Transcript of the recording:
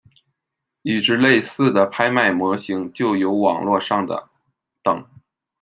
与之类似的拍卖模型就有网络上的等。